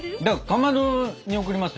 かまどに贈りますよ。